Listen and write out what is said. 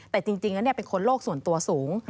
แต่จริงแล้วเป็นคนโลกส่วนตัวสูง